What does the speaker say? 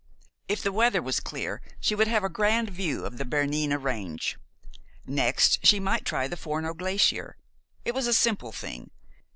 If the weather was clear, she would have a grand view of the Bernina range. Next she might try the Forno glacier. It was a simple thing.